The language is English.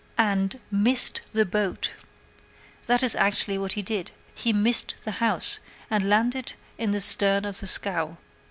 And missed the house! That is actually what he did. He missed the house, and landed in the stern of the scow.